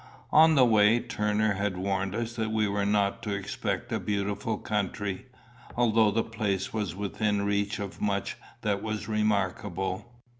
On the way Turner had warned us that we were not to expect a beautiful country, although the place was within reach of much that was remarkable.